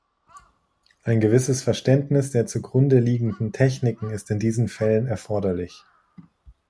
Ein gewisses Verständnis der zugrundeliegenden Techniken ist in diesen Fällen erforderlich.